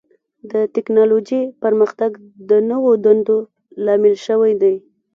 د ټکنالوجۍ پرمختګ د نوو دندو لامل شوی دی.